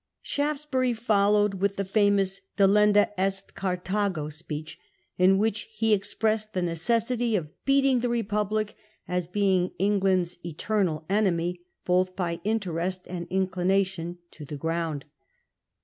* Shaftesbury followed with the famous ' Delenda est Carthago * speech, in which he expressed the necessity of beating the Republic, as being ' England's eternal enemy, both by interest and inclina tion,* to the ground.